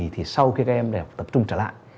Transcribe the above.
thì sau khi các em tập trung trở lại